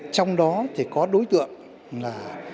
trong đó thì có đối tượng là